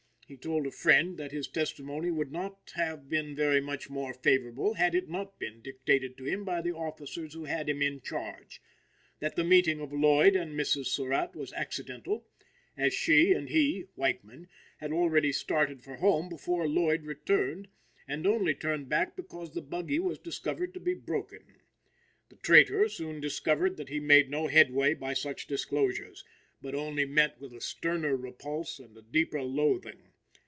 He told a friend that his testimony would have been very much more favorable had it not been dictated to him by the officers who had him in charge; that the meeting of Lloyd and Mrs. Surratt was accidental, as she and he (Weichman) had already started for home before Lloyd returned, and only turned back because the buggy was discovered to be broken. The traitor soon discovered that he made no headway by such disclosures, but only met with a sterner repulse and a deeper loathing.